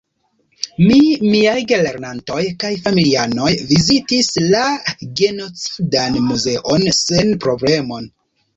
Mi, miaj gelernantoj kaj familianoj vizitis la "Genocidan Muzeon" sen problemo.